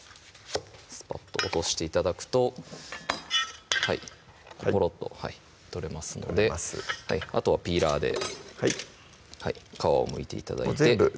スパッと落として頂くとポロッと取れますのであとはピーラーで皮をむいて頂いて全部？